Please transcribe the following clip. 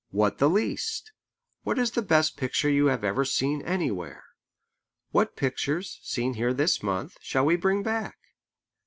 What the least? What is the best picture you have ever seen anywhere? What pictures, seen here this month, shall we bring back?"